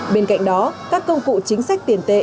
bên cạnh đó các công cụ chính sách tiền tệ